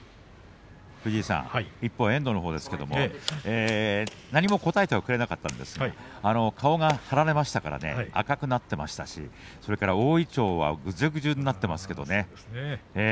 一方の遠藤のほうですが何も答えてはくれなかったんですが顔を張られましたから顔は赤くなっていましたし大いちょうは、ぐじゅぐじゅになっていました。